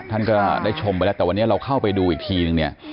ท่านก็ได้ชมไปแล้วแต่วันนี้เราเข้าไปดูอีกทีนึงเนี่ย